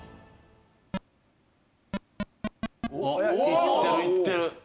いってるいってる！